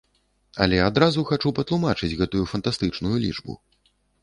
Але адразу хачу патлумачыць гэтую фантастычную лічбу.